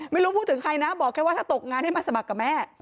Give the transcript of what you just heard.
ไม่รู้พูดถึงใครนะบอกแค่ว่าถ้าตกงานให้มาสมัครกับแม่